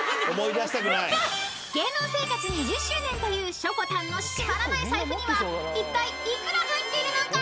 ［芸能生活２０周年というしょこたんの閉まらない財布にはいったい幾ら入っているのか？］